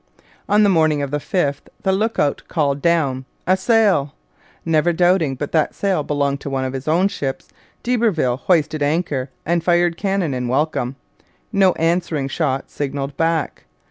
On the morning of the 5th the lookout called down 'A sail.' Never doubting but that the sail belonged to one of his own ships, d'Iberville hoisted anchor and fired cannon in welcome. No answering shot signalled back.